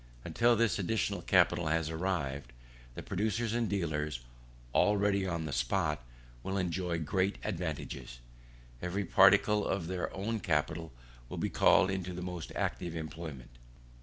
Until this additional capital has arrived, the producers and dealers already on the spot will enjoy great advantages. Every particle of their own capital will be called into the most active employment.